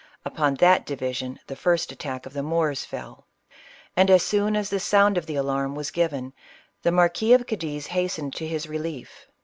Upon that division the first attack of the Moors fell, and as soon as the sound of the alarm was given, the Marquis of Cadiz hastened to his relief.